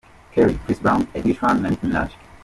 Kelly, Chris Brown, Ed Sheraan na Nicki Minaj.